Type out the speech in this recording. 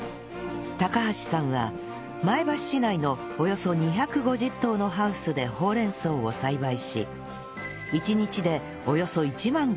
高橋さんは前橋市内のおよそ２５０棟のハウスでほうれん草を栽培し